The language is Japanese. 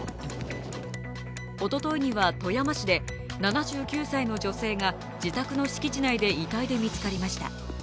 おとといには富山市で７９歳の女性が自宅の敷地内で遺体で見つかりました。